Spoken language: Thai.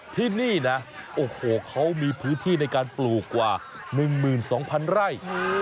ที่นี่นะโอ้โหเขามีพื้นที่ในการปลูกกว่า๑๒๐๐๐ไร่